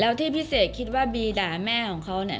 แล้วที่พิเศษคิดว่าบีด่าแม่ของเขา